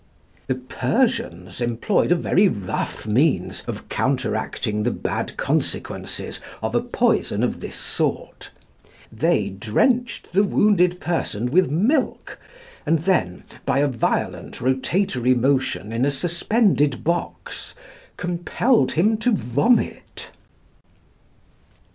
The Persians employed a very rough means of counteracting the bad consequences of a poison of this sort. They drenched the wounded person with milk, and then, by a violent rotatory motion in a suspended box, compelled him to vomit.